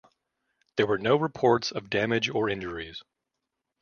There were no reports of damage or injuries.